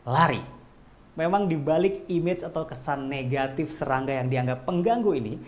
lari memang dibalik image atau kesan negatif serangga yang dianggap pengganggu ini